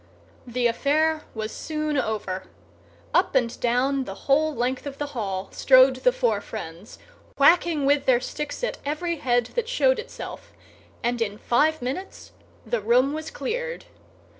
The affair was soon over. Up and down, the whole length of the hall, strode the four Friends, whacking with their sticks at every head that showed itself; and in five minutes the room was cleared.